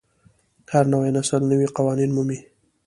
هر نوی نسل نوي قوانین مومي.